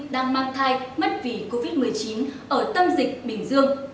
đang mang thai mất vì covid một mươi chín ở tâm dịch bình dương